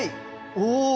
お！